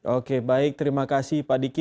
oke baik terima kasih pak diki